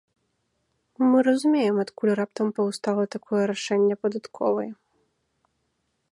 Мы разумеем, адкуль раптам паўстала такое рашэнне падатковай.